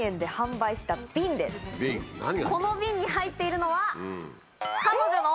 この瓶に入っているのは彼女の。